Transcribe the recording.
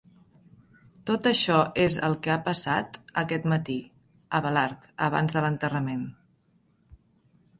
Tot això és el que ha passat aquest matí, Abelard, abans de l'enterrament.